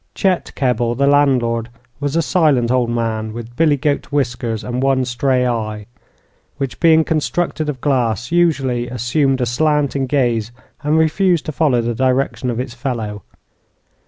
Chet Kebble, the landlord, was a silent old man, with billy goat whiskers and one stray eye, which, being constructed of glass, usually assumed a slanting gaze and refused to follow the direction of its fellow.